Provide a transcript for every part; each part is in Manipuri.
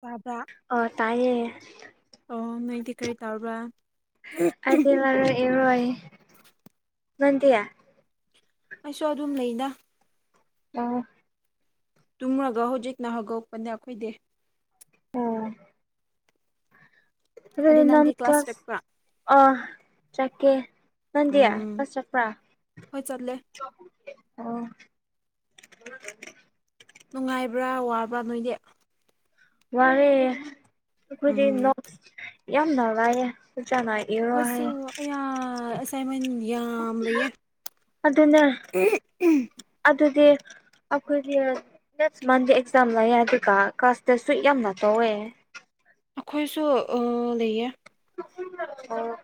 ꯇꯥꯕ꯭ꯔꯥ ꯑ ꯇꯥꯏꯌꯦ ꯑꯣ ꯅꯣꯏꯗꯤ ꯀꯔꯤ ꯇꯧꯕ꯭ꯔꯥ ꯑꯦꯔꯣꯏ ꯅꯪꯗꯤ ꯑꯩꯁꯨ ꯑꯗꯨꯝ ꯂꯩꯗ ꯑꯣ ꯇꯨꯝꯃꯒ ꯍꯧꯖꯤꯛꯅ ꯍꯧꯒꯣꯛꯄꯅꯦ ꯑꯩꯈꯣꯏꯗꯤ ꯑꯣ ꯑꯗꯨ ꯑꯗꯨꯗꯤ ꯅꯪ ꯅꯪꯗꯤ ꯀ꯭ꯂꯥꯁ ꯀꯥꯁꯖ ꯆꯠꯄ꯭ꯔꯥ ꯑ ꯆꯀꯦ ꯅꯪꯗꯤ ꯎꯝ ꯀꯁ ꯆꯠꯄ꯭ꯔꯥ ꯍꯣꯏ ꯆꯠꯂꯦ ꯑꯣ ꯅꯨꯡꯉꯥꯏꯕ꯭ꯔꯥ ꯋꯥꯕ꯭ꯔꯥ ꯅꯣꯏꯗꯤ ꯋꯥꯔꯦ ꯑꯩꯈꯣꯏꯗꯤ ꯎꯝ ꯅꯣꯛ ꯌꯥꯝꯅ ꯋꯥꯏꯑꯦ ꯆꯆꯅꯥꯏ ꯑꯩꯈꯣꯏꯁꯨ ꯑꯌꯥ ꯑꯦꯁꯥꯏꯟꯃꯦꯟ ꯌꯥꯝ ꯂꯩꯌꯦ ꯑꯗꯨꯅꯦ ꯎꯝ ꯑꯗꯨꯗꯤ ꯑꯩꯈꯣꯏꯗꯤ ꯑꯁ ꯅꯦꯛꯁ ꯃꯟꯗ ꯑꯦꯛꯖꯥꯝ ꯂꯩꯌꯦ ꯑꯗꯨꯒ ꯀ꯭ꯂꯥꯁꯇ ꯇꯦꯁꯁꯨ ꯌꯥꯝꯅ ꯇꯧꯋꯦ ꯑꯩꯈꯣꯏꯁꯨ ꯎ ꯂꯩꯌꯦ [unintelligible] ꯑꯣ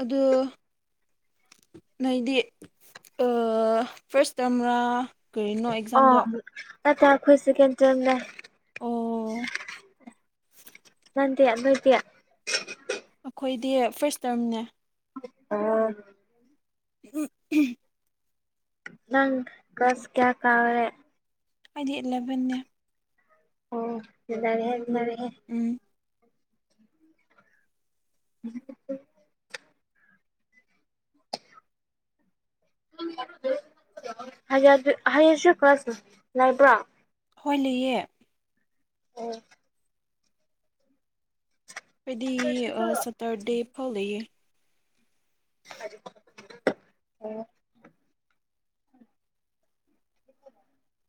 ꯑꯗꯨ ꯅꯣꯏꯗꯤ ꯐꯥꯔꯁ ꯇꯔꯝꯔꯥ ꯀꯔꯤꯅꯣ ꯑꯦꯛꯖꯥꯝꯗꯣ ꯑ ꯇꯥ ꯈꯣꯏ ꯁꯦꯀꯦꯟ ꯇꯔꯝꯅꯦ ꯑꯣ ꯅꯪꯗꯤ ꯅꯣꯏꯗꯤ ꯑꯩꯈꯣꯏꯗꯤ ꯐꯥꯔꯁ ꯇꯔꯝꯅꯦ ꯑꯥ ꯎꯝ ꯅꯪ ꯀꯂꯥ꯭ꯁ ꯀꯌꯥ ꯀꯒ꯭ꯔꯦ ꯑꯩꯗꯤ ꯏꯂꯕꯟꯅꯦ ꯑꯣ ꯏꯟꯅꯔꯦꯍꯦ ꯏꯟꯅꯔꯦꯍꯦ ꯎꯝ ꯎꯝ [unintelligible] ꯍꯩꯌꯦꯡꯁꯨ ꯀ꯭ꯂꯥꯁ ꯂꯩꯕ꯭ꯔꯥ ꯍꯣꯏ ꯂꯩꯌꯦ ꯑꯣ ꯑꯩꯗꯤ ꯑ ꯁꯠꯇꯔꯗꯦ ꯐꯥꯎ ꯂꯩꯌꯦ ꯑꯣ [unintelligible] [inaudible]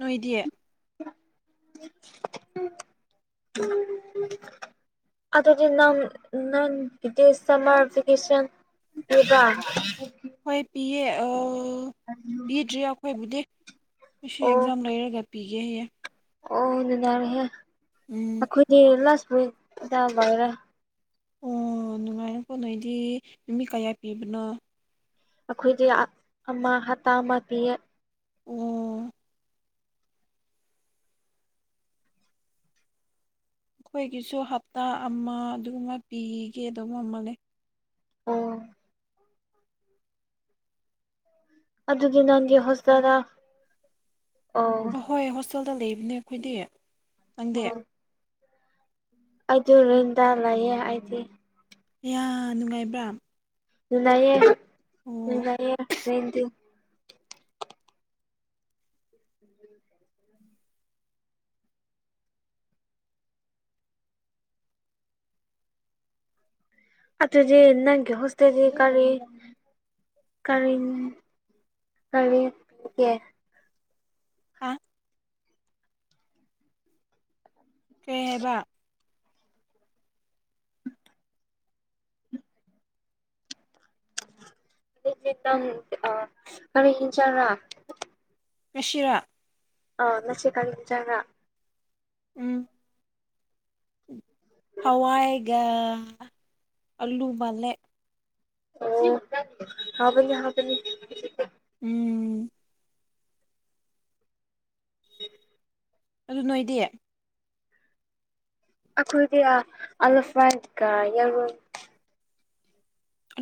ꯅꯣꯏꯗꯤ [inaudible] ꯑꯗꯨꯗꯤ ꯅꯪ ꯅꯪꯒꯤꯗꯤ ꯁꯝꯃꯔ ꯚꯦꯀꯦꯁꯟ ꯑꯗꯨꯒ [unintelligible] ꯍꯣꯏ ꯄꯤꯌꯦ ꯑ ꯄꯤꯗ꯭ꯔꯤ ꯑꯩꯈꯣꯏꯕꯨꯗꯤ ꯉꯁꯤ ꯑꯣ ꯑꯦꯛꯖꯥꯝ ꯂꯩꯔꯒ ꯄꯤꯌꯦꯌꯦ ꯑꯣ ꯅꯨꯡꯉꯥꯏꯔꯦꯍꯦ ꯎꯝ ꯑꯩꯈꯣꯏꯗꯤ ꯂꯥꯁ ꯋꯤꯛ ꯇ ꯂꯣꯏꯔꯦ ꯑꯣ ꯅꯨꯡꯉꯥꯏꯔꯦꯀꯣ ꯅꯣꯏꯗꯤ ꯅꯨꯃꯤ ꯀꯌꯥ ꯄꯤꯕꯅꯣ ꯑꯩꯈꯣꯏꯗꯤ ꯑ ꯑꯃ ꯍꯞꯇꯥ ꯑꯃ ꯄꯤꯌꯦ ꯑꯨꯝ ꯑꯩꯈꯣꯏꯒꯤꯁꯨ ꯍꯞꯇꯥ ꯑꯃ ꯑꯗꯨꯒꯨꯝꯕ ꯄꯤꯒꯦ ꯑꯗꯨꯝ ꯑꯃꯅꯦ ꯑꯣ ꯑꯗꯨꯗꯤ ꯅꯪꯒꯤ ꯍꯣꯁꯇꯦꯜꯗ ꯑꯣ ꯍꯣꯏ ꯍꯣꯁꯇꯦꯜꯗ ꯂꯩꯕꯅꯦ ꯑꯩꯈꯣꯏꯗꯤ ꯅꯪꯗꯤ ꯑꯩꯗꯨ ꯔꯦꯟꯗ ꯂꯩꯌꯦ ꯑꯩꯗꯤ ꯌꯥ ꯅꯨꯡꯉꯥꯏꯕ꯭ꯔꯥ ꯂꯩꯌꯦ ꯑꯣ ꯂꯩꯌꯦ ꯂꯩꯗꯤ ꯑꯗꯨꯗꯤ ꯅꯪꯒꯤ ꯍꯣꯁꯇꯦꯗꯤ ꯀꯔꯤ ꯀꯔꯤꯡ ꯀꯔꯤꯒꯦ ꯍꯥꯥ ꯀꯩꯍꯥꯢꯕ [unintelligible] ꯑ ꯀꯔꯤ ꯍꯤꯆꯔꯥ ꯉꯁꯤꯔꯥ ꯑ ꯅꯁꯤ ꯀꯔꯤ ꯍꯤꯆꯔꯥ ꯎꯝ ꯍꯋꯥꯏꯒ ꯑꯜꯂꯨꯕꯜꯂꯦ ꯑꯣ ꯍꯥꯎꯅꯤ ꯍꯥꯎꯕꯅꯤ ꯎꯝ ꯑꯗꯨ ꯅꯣꯏꯗꯤ ꯑꯩꯈꯣꯏꯒꯤ ꯑꯜꯐꯥꯏꯀ ꯌꯦꯔ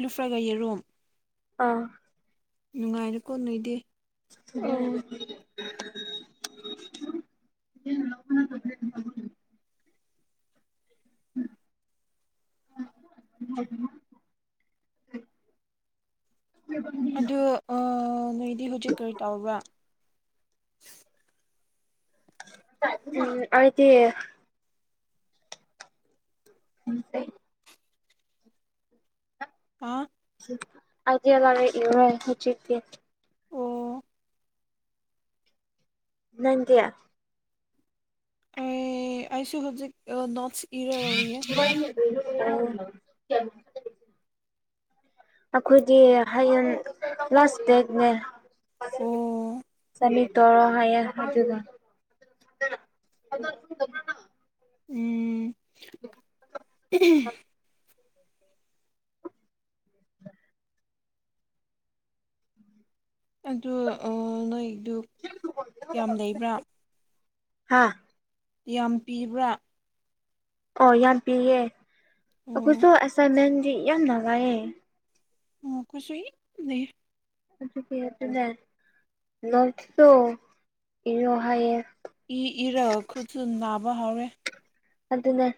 ꯂꯨꯐ꯭ꯔꯒ ꯌꯦꯔꯨꯝ ꯑꯥ ꯅꯨꯡꯉꯥꯏꯔꯦ ꯀꯣ ꯅꯣꯏꯗꯤ ꯑꯣ [inaudible] ꯑꯗꯨ ꯑ ꯅꯣꯏꯗꯤ ꯍꯧꯖꯤꯛ ꯀꯔꯤ ꯇꯧꯕ꯭ꯔꯥ ꯎꯝ ꯑꯩꯗꯤ [unintelligible] ꯑꯥ ꯑꯩꯗꯤ ꯂꯥꯢꯔꯤꯛ ꯏꯔꯦ ꯍꯖꯤꯛꯇꯤ ꯑꯣ ꯅꯪ ꯀꯌꯥ ꯑ ꯑꯩꯁꯨ ꯍꯧꯖꯤꯛ ꯅꯣꯔꯠꯁ ꯏꯔ [unintelligible] [inaudible] ꯑꯩꯈꯣꯏꯗꯤ ꯍꯌꯦꯡ ꯄ꯭ꯂꯥꯁ ꯕꯦꯒꯅꯦ ꯑꯣ ꯆꯃꯤ ꯇꯔ ꯍꯥꯏ ꯍꯥꯏꯗꯨꯒ ꯎꯝ [inaudible] [unintelligible] [unintelligible] [inaudible] ꯑꯗꯨ ꯅꯣꯏꯗꯨ ꯀꯌꯥꯝ ꯂꯩꯕ꯭ꯔꯥ ꯍꯥꯥ ꯌꯥꯝ ꯄꯤꯕ꯭ꯔꯥ ꯑꯣ ꯌꯥꯝ ꯄꯤꯌꯦ ꯑꯣ ꯑꯩꯈꯣꯏꯁꯨ ꯑꯦꯁꯥꯏꯟꯃꯦꯟꯗꯤ ꯌꯥꯝ ꯅꯨꯡꯉꯥꯏꯌꯦ ꯑꯣ ꯀꯁꯨ ꯂꯩ [inaudible] ꯑꯗꯨ ꯀ ꯑꯗꯨꯅꯦ ꯅꯣ ꯏꯔꯣ ꯍꯥꯏ ꯏ ꯏꯔꯒ ꯈꯨꯠꯁꯨ ꯅꯥꯕ ꯍꯧꯔꯦ ꯑꯗꯨꯅꯦ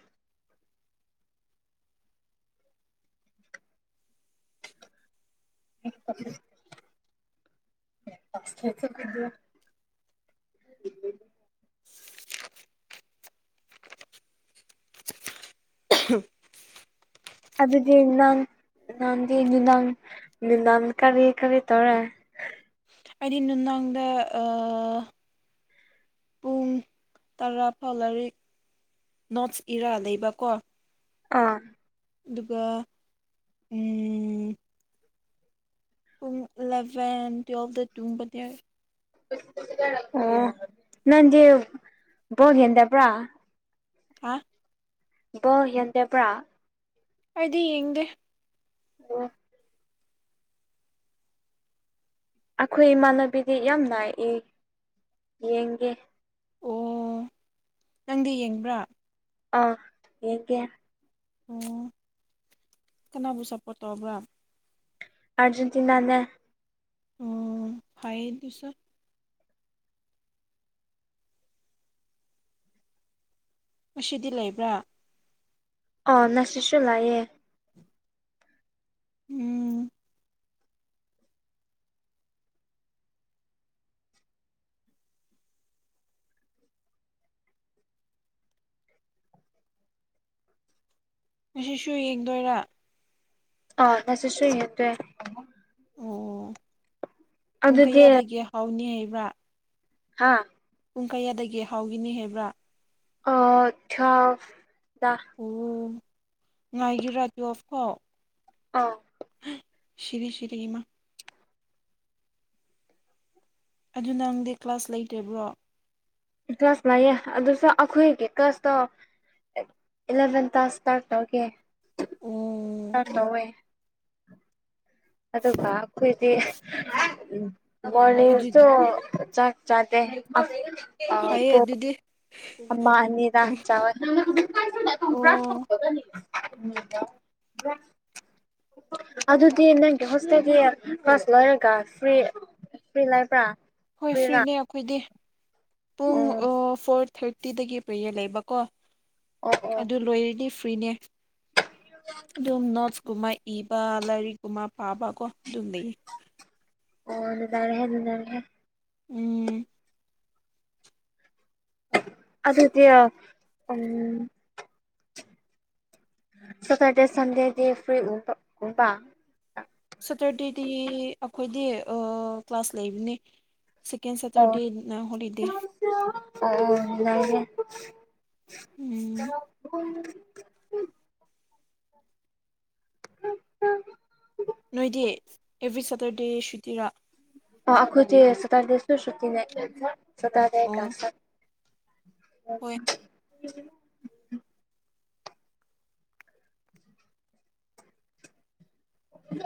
ꯦꯗ [inaudible] [unintelligible] ꯎ [unintelligible] [inaudible] [unintelligible] [inaudible] ꯎꯝ [unintelligible] [inaudible] ꯑꯗꯨꯗꯤ ꯅꯍꯪ ꯅꯍꯪꯗꯤ ꯅꯨꯗꯥꯡ ꯅꯨꯗꯥꯡ ꯀꯔꯤ ꯀꯔꯤ ꯇꯧꯔꯦ ꯍꯥꯏꯗꯤ ꯅꯨꯡꯗꯥꯡꯗ ꯄꯨꯡ ꯇꯔꯥ ꯐꯥꯎ ꯂꯔꯤꯛ ꯅꯣꯔꯠ ꯏꯔꯥ ꯂꯩꯕꯀꯣ ꯑꯥ [inaudible] ꯑꯗꯨꯒ [inaudible] ꯄꯨꯡ ꯏꯂꯚꯦꯟ ꯇꯨꯌꯦꯦꯜꯐꯇ ꯇꯨꯡꯕꯗꯤ ꯑꯣ ꯅꯪꯗꯤ ꯕꯣꯜ ꯌꯦꯗꯦꯕ꯭ꯔꯥ ꯀꯥ [unintelligible] [inaudible] ꯕꯣ ꯍꯦꯟꯗꯦꯕ꯭ꯔꯥ ꯑꯩꯗꯤ ꯌꯦꯡꯗꯦ ꯑꯣ [unintelligible] [inaudible] ꯑꯩꯈꯣꯏ ꯏꯃꯥꯟꯅꯕꯤꯗꯤ ꯌꯥꯝ ꯅꯥꯏꯏ ꯌꯦꯡꯒꯦ ꯑꯣ ꯅꯪꯗꯤ ꯌꯦꯡꯕ꯭ꯔꯥ ꯑꯥ ꯌꯦꯡꯀꯦ ꯑꯣ ꯀꯅꯥꯕꯨ ꯁꯥꯞꯄꯣꯠ ꯇꯧꯕ꯭ꯔꯥ ꯑꯔꯖꯦꯟꯇꯤꯅꯥ ꯅꯦ ꯑꯣ ꯐꯩ ꯑꯗꯨꯁꯨ ꯉꯁꯤꯗꯤ ꯂꯩꯕ꯭ꯔꯥ ꯑꯥ ꯉꯥꯁꯤꯁꯨ ꯂꯩꯑꯦ ꯎꯝ ꯉꯁꯤꯁꯨ ꯌꯦꯡꯗꯣꯏꯔꯥ ꯑꯥ ꯉꯥꯁꯤꯁꯨ ꯋꯦꯠꯇꯦ ꯑꯣ ꯄꯨꯡ ꯑꯗꯨꯗꯤ ꯀꯌꯥꯗꯒꯤ ꯍꯥꯎꯅꯤ ꯍꯥꯏꯕ ꯍꯥꯥ ꯄꯨꯡ ꯀꯌꯥꯗꯒꯤ ꯍꯥꯎꯈꯤꯅꯤ ꯍꯥꯏꯕ꯭ꯔꯥ ꯊ ꯗ ꯑꯣ ꯉꯥꯏꯒꯤꯔꯥꯗꯤꯣꯐ ꯑꯥ [unintelligible] [inaudible] ꯁꯤꯔꯤ ꯁꯤꯔꯤ ꯏꯃ ꯑꯗꯨ ꯅꯪꯗꯤ ꯀ꯭ꯂꯥꯁ ꯂꯩꯇꯕ꯭ꯔꯣ ꯀ꯭ꯂꯥꯁ ꯂꯌꯦ ꯑꯗꯨꯁꯨ ꯑꯩꯈꯣꯏꯒꯤ ꯀ꯭ꯂꯥꯁꯇꯣ ꯏꯂꯚꯦꯟ ꯇꯥ ꯏꯁꯇꯥꯔꯠ ꯇꯧꯒꯦ ꯏꯁꯇꯥꯔ ꯎꯝ ꯇꯧꯋꯦ ꯑꯗꯨꯒ ꯑꯩꯈꯣꯏꯗꯤ ꯑꯗꯨ ꯃꯣꯔꯅꯤꯡꯁꯨ ꯆꯥꯛ ꯆꯥꯇꯦ ꯑꯣ ꯐꯩꯌꯦ ꯑꯗꯨꯗꯤ ꯑꯃ ꯑꯅꯤꯔꯥ ꯎꯝ ꯆꯥꯎꯑꯦ ꯭ꯔꯥꯁ ꯅ ꯑꯣ ꯀ [inaudible] ꯑꯗꯨꯗꯤ ꯅꯪꯒꯤ ꯍꯣꯁꯇꯦꯜꯒꯤ ꯀ꯭ꯂꯥꯁ ꯂꯣꯏꯔꯒ ꯐ꯭ꯔꯤ ꯐ꯭ꯔꯤ ꯂꯩꯕ꯭ꯔꯥ ꯍꯣꯏ ꯐ꯭ꯔꯤꯔꯥ ꯐ꯭ꯔꯤꯅꯦ ꯑꯩꯈꯣꯏꯗꯤ ꯄꯨꯡ ꯑꯣ ꯐꯣꯔ ꯊꯥꯔꯇꯤꯗꯒꯤ ꯄꯔꯦꯌꯥꯔ ꯂꯩꯕꯀꯣ ꯑꯣ ꯑꯣ ꯑꯗꯨ ꯂꯣꯏꯔꯅꯤ ꯐ꯭ꯔꯤꯅꯦ ꯑꯗꯨꯝ ꯅꯣꯠꯁꯀꯨꯝꯕ ꯏꯕ ꯂꯥꯏꯔꯤꯛꯀꯨꯝꯕ ꯄꯥꯕ ꯀꯣ ꯑꯗꯨꯝ ꯂꯩꯌꯦ ꯑꯣ ꯑꯗꯨꯗꯥꯔꯦ ꯑꯗꯨꯅꯨꯡꯗꯥꯔꯦ [inaudible] ꯎꯝ ꯑꯗꯨꯗꯤ ꯎꯝ ꯁꯥꯇ꯭ꯔꯗꯦ ꯁꯥꯟꯗꯦꯗꯤ ꯐ꯭ꯔꯤ ꯑꯣꯢꯕ ꯁꯥꯇ꯭ꯔꯗꯦꯗꯤ ꯑꯩꯈꯣꯏꯗꯤ ꯀ꯭ꯂꯥꯁ ꯂꯩꯕꯅꯦ ꯁꯤꯀꯦꯟ ꯑꯣ ꯁꯇꯔꯗꯦꯅ ꯍꯣꯂꯤꯗꯦ ꯑꯣ ꯂꯦ ꯎꯝ [inaudible] ꯎꯝ ꯎꯝ [inaudible] ꯅꯣꯏꯗꯤ ꯑꯦꯕ꯭ꯔꯤ ꯁꯦꯇꯔꯗꯦ ꯁꯨꯇꯤꯔꯥ ꯑꯈꯣꯏꯗꯤ ꯁꯇꯥꯔꯗꯁꯨ ꯁꯨꯇꯤ ꯂꯩ ꯁꯥꯇ꯭ꯔꯗꯦ ꯑꯣ ꯍꯣꯏ ꯑꯣ [inaudible]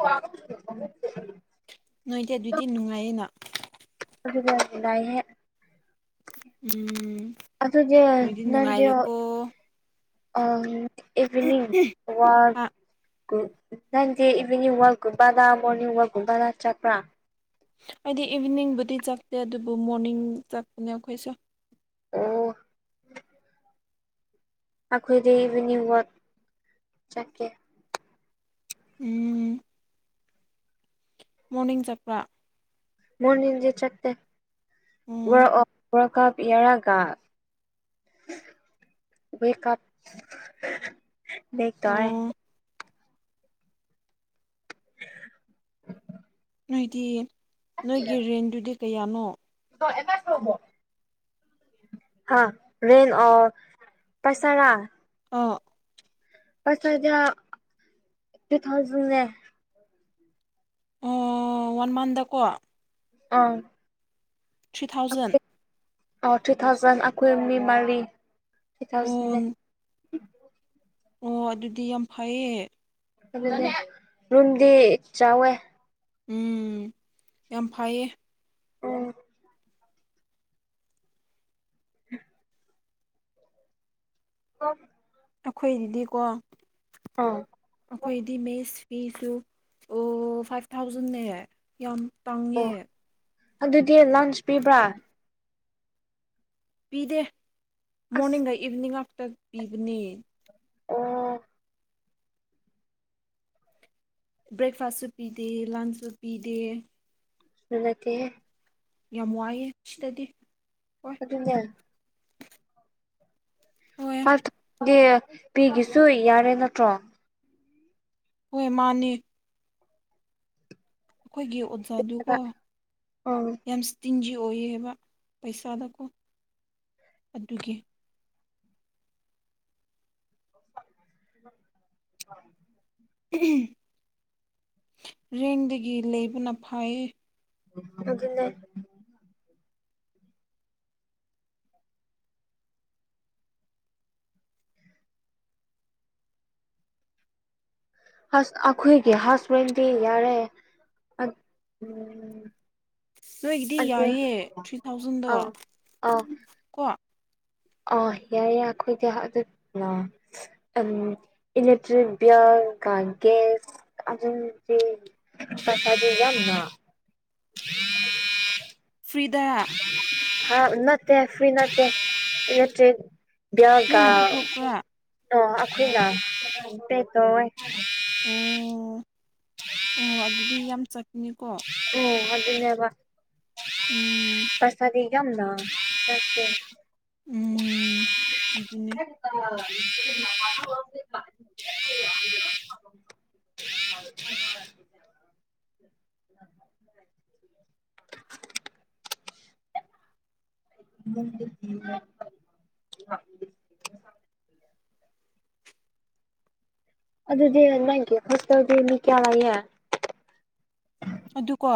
ꯋꯥ [inaudible] ꯅꯣꯏꯗꯤ ꯑꯗꯨꯗꯤ ꯅꯨꯡꯉꯥꯏꯌꯦꯅ ꯑꯩꯈꯣꯢꯗꯤ ꯌꯥꯝ ꯅꯨꯡꯉꯥꯏꯍꯦ ꯎꯝ ꯑꯗꯨꯗꯤ ꯅꯣꯏꯗꯤ ꯅꯪꯁꯦ ꯅꯨꯡꯉꯥꯏꯔꯦꯀꯣ ꯑꯥ ꯏꯚꯤꯅꯤꯡ ꯋꯥꯟ ꯑꯥ ꯅꯪꯗꯦ ꯏꯚꯤꯅꯤꯡ ꯋꯥꯛꯀꯨꯝꯕꯗ ꯃꯣꯔꯅꯤꯡ ꯋꯥꯛꯀꯨꯝꯕꯗ ꯆꯠꯄ꯭ꯔꯥ ꯑꯩꯗꯤ ꯏꯚꯤꯅꯤꯡꯕꯨꯗꯤ ꯆꯠꯇꯦ ꯑꯗꯨꯕꯨ ꯃꯣꯔꯅꯤꯡ ꯆꯠꯄꯅꯦ ꯑꯩꯈꯣꯏꯁꯨ ꯑꯣ ꯑꯩꯈꯣꯏꯗꯤ ꯏꯚꯤꯅꯤꯡ ꯋꯥꯠ ꯆꯠꯂꯦ ꯎꯝ ꯃꯣꯔꯅꯤꯡ ꯆꯠꯄ꯭ꯔꯥ ꯃꯣꯔꯅꯤꯡꯗꯤ ꯆꯠꯇꯦ ꯎꯝ ꯋꯥꯛꯑꯥꯜ ꯄꯌꯥꯔꯒ ꯋꯦꯀꯞ [unintelligible] ꯇꯑꯦ ꯑꯣ [inaudible] ꯅꯣꯏꯗꯤ ꯅꯣꯏꯒꯤ ꯔꯦꯟꯗꯨꯗꯤ ꯀꯌꯥꯅꯣ [unintelligible] ꯍꯥ ꯔꯦꯟ ꯑ ꯄꯩꯁꯥꯔ ꯑꯥ [unintelligible] ꯇꯨ ꯊꯥꯎꯖꯟ ꯑꯦ ꯑꯝ ꯋꯥꯟ ꯃꯥꯟꯗꯀꯣ ꯑꯥ ꯊ꯭ꯔꯤ ꯊꯥꯎꯖꯟ ꯑꯥ ꯊ꯭ꯔꯤ ꯊꯥꯎꯖꯟ ꯑꯩꯈꯣꯏ ꯃꯤ ꯃꯔꯤ ꯊ꯭ꯔꯤ ꯑꯣ ꯊꯥꯎꯖꯟꯅꯦ ꯑꯣ ꯑꯗꯨꯗꯤ ꯌꯥꯝ ꯐꯩꯌꯦ ꯔꯨꯝꯗꯤ ꯆꯥꯎꯋꯦ ꯎꯝ ꯌꯥꯝ ꯐꯩꯌꯦ ꯑꯣ [inaudible] ꯑꯣ ꯑꯩꯈꯣꯏꯗꯗꯤꯀꯣ ꯑꯥ ꯑꯩꯈꯣꯏꯗꯤ ꯃꯦꯁ ꯐꯤꯁꯨ ꯑꯣ ꯐꯥꯏꯚ ꯊꯥꯎꯖꯟꯅ ꯌꯥꯝ ꯑꯣ ꯇꯥꯡꯉꯦ ꯑꯗꯨꯗꯤ ꯂꯟꯆ ꯄꯤꯕ꯭ꯔꯥ ꯄꯤꯗꯦ ꯑꯁ ꯃꯣꯔꯅꯤꯡꯒ ꯏꯚꯤꯅꯤꯡꯒ ꯉꯥꯛꯇ ꯄꯤꯕꯅꯦ ꯑꯣ ꯕ꯭ꯔꯦꯛꯐꯥꯁꯁꯨ ꯄꯤꯗꯦ ꯂꯟꯁꯁꯨ ꯄꯤꯗꯦ [unintelligible] ꯌꯥꯝ ꯋꯥꯏꯑꯦ ꯁꯤꯗꯗꯤ ꯍꯣꯏ ꯑꯗꯨꯅꯦ ꯍꯣꯏ ꯗꯤ ꯄꯤꯈꯤꯁꯨ ꯌꯥꯔꯦ ꯅꯠꯇ꯭ꯔꯣ ꯍꯣꯢ ꯃꯥꯅꯤ ꯑꯩꯈꯣꯏꯒꯤ ꯑꯣꯖꯥꯗꯨꯀꯣ ꯎꯝ ꯌꯥꯝ ꯇꯤꯟꯁꯤ ꯑꯣꯏꯌꯦꯕ ꯄꯩꯁꯥꯗꯀꯣ ꯑꯗꯨꯒꯤ ꯎ ꯔꯦꯡꯗꯒꯤ ꯂꯩꯕꯅ ꯐꯥꯏ ꯑꯗꯨꯅꯦ ꯑꯩꯈꯣꯏꯒꯤ ꯍꯁꯕꯦꯟꯗꯤ ꯌꯥꯔꯦ ꯎ ꯅꯣꯏꯒꯤꯗꯤ ꯌꯥꯏꯌꯦ ꯊ꯭ꯔꯤ ꯊꯥꯎꯖꯟꯗꯣ ꯑꯥ ꯀꯣ ꯑ ꯌꯥꯏ ꯌꯥꯏ ꯑꯩꯈꯣꯏꯗꯤ ꯑꯗꯨ [unintelligible] [unintelligible] ꯆꯁꯗ ꯌꯥꯝꯅ ꯐ꯭ꯔꯤꯗ ꯍꯥ ꯅꯠꯇꯦ ꯐ꯭ꯔꯤ ꯅꯠꯇꯦ [unintelligible] ꯌꯥꯒ ꯅꯣꯏꯅ ꯄꯨꯊꯣꯛꯄ꯭ꯔꯥ ꯑꯣ ꯑꯩꯈꯣꯏꯅ ꯇ ꯑꯣ ꯑꯣ ꯑꯗꯨꯗꯤ ꯌꯥꯝ ꯆꯠꯀꯅꯤꯀꯣ ꯑꯣ ꯑꯗꯨꯅꯦꯕ ꯎꯝ ꯄꯩꯁꯥꯗꯤ ꯀꯝꯅ ꯆꯦ ꯎꯝ ꯑꯗꯨꯅ ꯑ ꯎ [inaudible] [unintelligible] ꯑꯗꯨꯗꯤ ꯅꯪ ꯍꯠꯇꯗꯤ ꯃꯤ ꯀꯌꯥꯂꯒꯦ ꯑꯗꯨꯀꯣ